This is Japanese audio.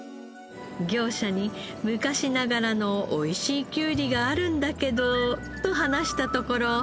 業者に「昔ながらのおいしいきゅうりがあるんだけど」と話したところ。